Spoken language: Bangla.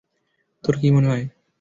তোর কী মনে হয়?